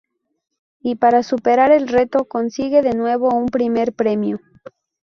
Y para superar el reto consigue de nuevo un primer premio.